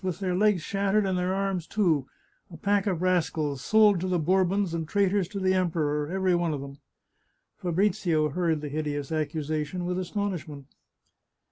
" With their legs shattered and their arms too ! A pack of rascals, sold to the Bourbons and traitors to the Emperor, every one of them !" Fabrizio heard the hideous accusation with astonish ment.